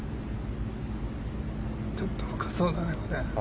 ちょっと深そうだね。